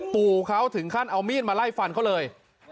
ปู่เขาถึงขั้นเอามีดมาไล่ฟันเขาเลย